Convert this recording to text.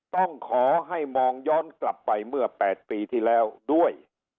ต้องขอให้มองย้อนกลับไปเมื่อ๘ปีที่แล้วด้วย